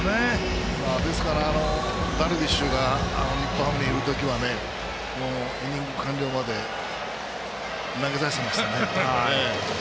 ですから、ダルビッシュが日本ハムにいる時はイニング完了まで投げさせてましたね。